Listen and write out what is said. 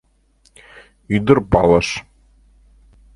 Ӱдыр палыш.